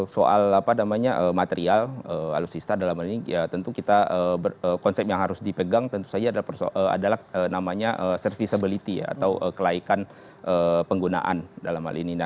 soal material alutsista konsep yang harus dipegang tentu saja adalah serviceability atau kelaikan penggunaan